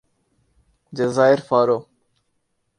جزائر فارو